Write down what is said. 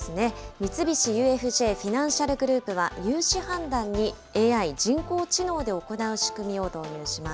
三菱ＵＦＪフィナンシャル・グループは、融資判断にＡＩ・人工知能で行う仕組みを導入します。